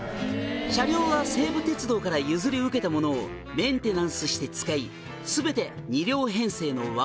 「車両は西武鉄道から譲り受けたものをメンテナンスして使い全て」